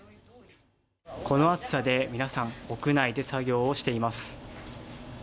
この暑さで、皆さん屋内で作業をしています。